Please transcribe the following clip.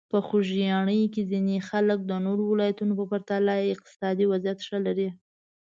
په خوږیاڼي کې ځینې خلک د نورو ولایتونو په پرتله اقتصادي وضعیت ښه لري.